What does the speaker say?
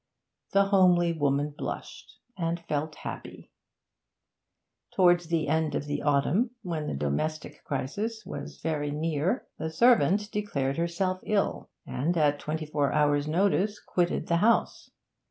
The homely woman blushed and felt happy. Towards the end of autumn, when the domestic crisis was very near, the servant declared herself ill, and at twenty four hours' notice quitted the house.